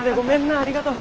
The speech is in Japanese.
ありがとう。